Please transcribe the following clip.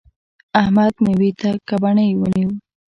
احمد؛ مېوې ته ګبڼۍ ونیو.